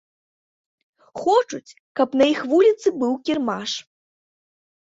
Хочуць, каб на іх вуліцы быў кірмаш.